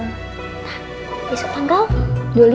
nah besok tanggal